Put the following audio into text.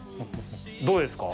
どうですか？